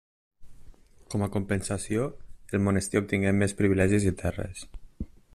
Com a compensació, el monestir obtingué més privilegis i terres.